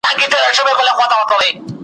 خزان چي راسي، وطن تالا کړي